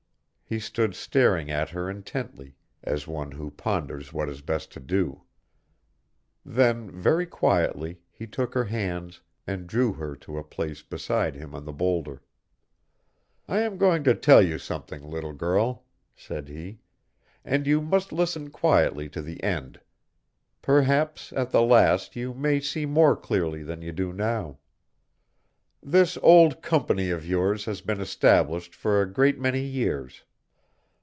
He stood staring at her intently, as one who ponders what is best to do. Then very quietly he took her hands and drew her to a place beside him on the bowlder. "I am going to tell you something, little girl," said he, "and you must listen quietly to the end. Perhaps at the last you may see more clearly than you do now. "This old Company of yours has been established for a great many years.